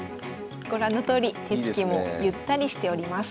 ご覧のとおり手つきもゆったりしております。